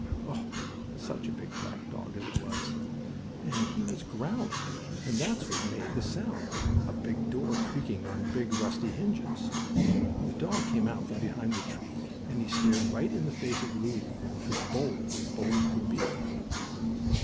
Oh, such a big black dog as it was! And he was growling, and that's what made the sound like a big door creaking on big, rusty hinges. The dog came out from behind the tree, and he stared right in the face of Lulu, as bold as bold could be.